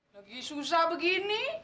lagi susah begini